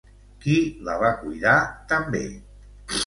Qui la va cuidar també?